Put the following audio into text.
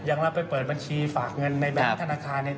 อย่างเราไปเปิดบัญชีฝากเงินในแบงค์ธนาคารเนี่ย